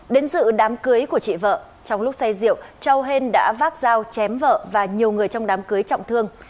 đến dự đám cưới của chị vợ trong lúc say rượu châu hên đã vác dao chém vợ và nhiều người trong đám cưới trọng thương